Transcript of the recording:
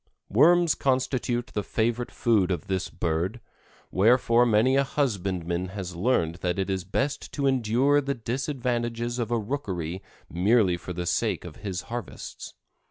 Worms constitute the favorite food of this bird, wherefore many a husbandman has learned that it is best to endure the disadvantages of a rookery merely for the sake of his harvests.